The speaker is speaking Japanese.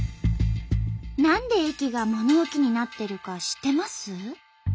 何で駅が物置になってるか知ってます？